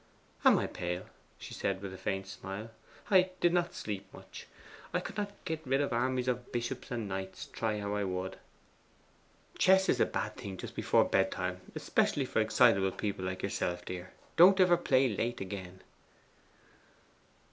'Am I pale?' she said with a faint smile. 'I did not sleep much. I could not get rid of armies of bishops and knights, try how I would.' 'Chess is a bad thing just before bedtime; especially for excitable people like yourself, dear. Don't ever play late again.